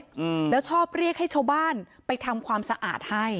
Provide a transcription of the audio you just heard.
อืมแล้วชอบเรียกให้ชาวบ้านไปทำความสะอาดให้